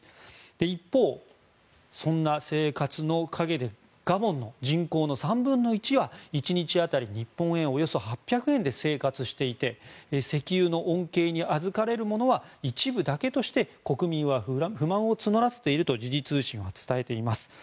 一方、そんな生活の陰でガボンの人口の３分の１は１日当たり日本円およそ８００円で生活していて石油の恩恵にあずかれるものは一部だけとして国民は不満を募らせていると時事通信は伝えています。